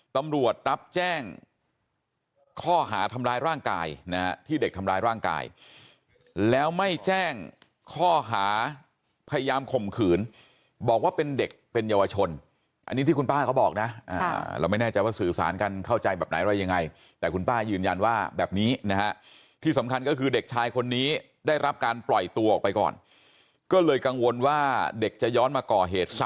ตำรวจรับแจ้งข้อหาทำร้ายร่างกายนะฮะที่เด็กทำร้ายร่างกายแล้วไม่แจ้งข้อหาพยายามข่มขืนบอกว่าเป็นเด็กเป็นเยาวชนอันนี้ที่คุณป้าเขาบอกนะเราไม่แน่ใจว่าสื่อสารกันเข้าใจแบบไหนอะไรยังไงแต่คุณป้ายืนยันว่าแบบนี้นะฮะที่สำคัญก็คือเด็กชายคนนี้ได้รับการปล่อยตัวออกไปก่อนก็เลยกังวลว่าเด็กจะย้อนมาก่อเหตุส